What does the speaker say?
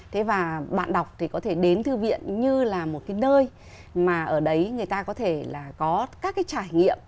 thế và bạn đọc thì có thể đến thư viện như là một cái nơi mà ở đấy người ta có thể là có các cái trải nghiệm